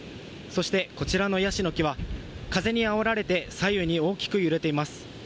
そしてこちらのヤシの木は風にあおられて左右に大きく揺れています。